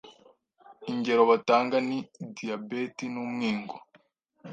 Ingero batanga ni Diyabete n’Umwingo,